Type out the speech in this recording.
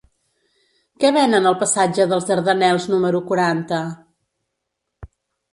Què venen al passatge dels Dardanels número quaranta?